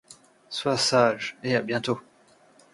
Sois sage, et à bientôt.